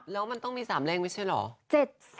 แล้วมันต้องมี๓เลขไม่ใช่เหรอ